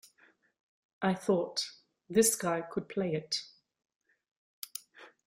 I thought, This guy could play it.